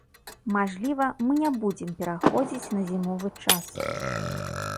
Мажліва, мы не будзем пераходзіць на зімовы час.